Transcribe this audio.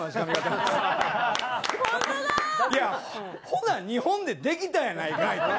ほな日本でできたやないかいと。